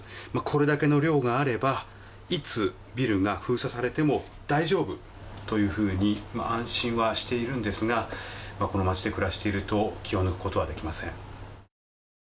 これだけの量があればいつビルが封鎖されても大丈夫というふうに安心はしているんですがこの街で暮らしていると気を抜くことはできません。